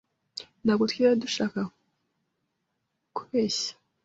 Ntabwo twigeze dushaka kubeshya.